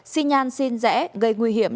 xin nhan xin rẽ gây nguy hiểm